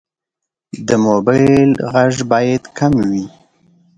د موبایل غږ باید کم وي.